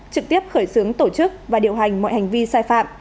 trực tiếp khởi xướng tổ chức và điều hành mọi hành vi sai phạm